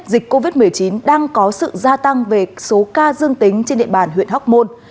dịch covid một mươi chín đang có sự gia tăng về số ca dương tính trên địa bàn huyện hóc môn